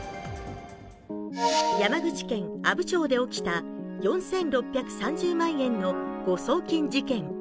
山口県阿武町で起きた４６３０万円の誤送金事件。